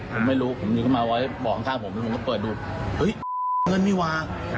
ผมไม่รู้ผมหยิบขึ้นมาไว้เบาะข้างผมผมก็เปิดดูเฮ้ยเงินนี่ว่า